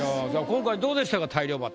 今回どうでしたか大漁旗。